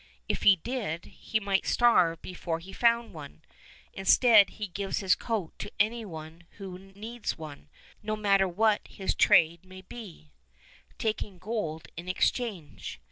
If he did, he might starve before he found one. Instead, he gives his coat to anyone who needs one, no matter what his trade may be, taking gold in exchange.